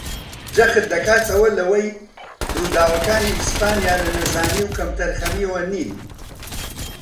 جەخت دەکاتەوە لەوەی ڕووداوەکانی ئیسپانیا لە نەزانی و کەمتەرخەمییەوە نین